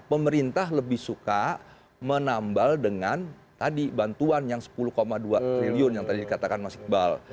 pemerintah lebih suka menambal dengan tadi bantuan yang sepuluh dua triliun yang tadi dikatakan mas iqbal